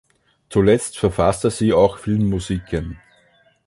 Zuletzt verfasste sie auch Filmmusiken.